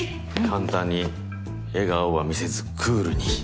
簡単に笑顔は見せクールに。